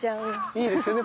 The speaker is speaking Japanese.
いいですよね